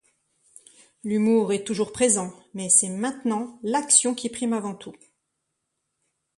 L'humour est toujours présent mais c'est maintenant l'action qui prime avant tout.